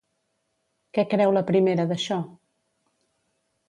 Què creu la primera d'això?